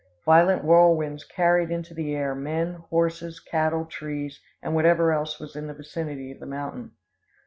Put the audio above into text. Violent whirlwinds carried into the air, men, horses, cattle, trees, and whatever else was in the vicinity of the mountain.